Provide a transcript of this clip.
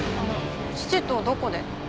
父とどこで？